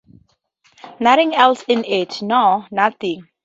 Nothing else in it — no, nothing!